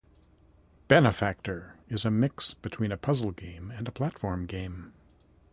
"Benefactor" is a mix between a puzzle game and a platform game.